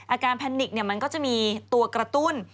อาการแพนิกมันก็จะมีตัวกระตุ้น